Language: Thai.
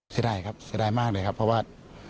เสียดายครับเสียดายมากเลยครับเพราะว่า